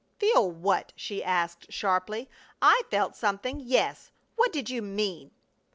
"Feel what?" she asked, sharply. "I felt something, yes. What did you mean?"